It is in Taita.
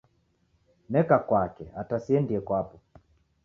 Neka kwake ata siendie kwapo